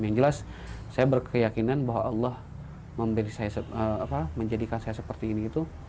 yang jelas saya berkeyakinan bahwa allah menjadikan saya seperti ini